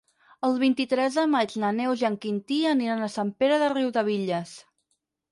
El vint-i-tres de maig na Neus i en Quintí aniran a Sant Pere de Riudebitlles.